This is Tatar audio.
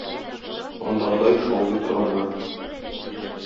Андагыдай шаулый торганнар...